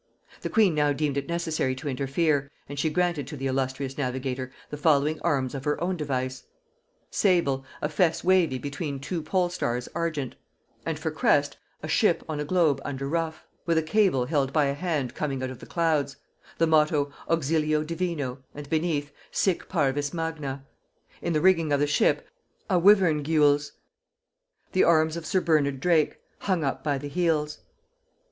The queen now deemed it necessary to interfere, and she granted to the illustrious navigator the following arms of her own device. Sable, a fess wavy between two pole stars argent, and for crest, a ship on a globe under ruff, with a cable held by a hand coming out of the clouds; the motto Auxilio divino, and beneath, Sic parvis magna; in the rigging of the ship a wivern gules, the arms of sir Bernard Drake, hung up by the heels.